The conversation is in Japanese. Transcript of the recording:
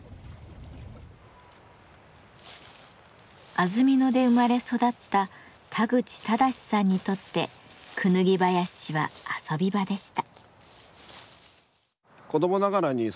安曇野で生まれ育った田口忠志さんにとってクヌギ林は遊び場でした。